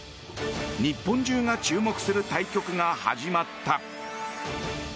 日本中が注目する対局が始まった。